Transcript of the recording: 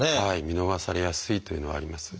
見逃されやすいというのはあります。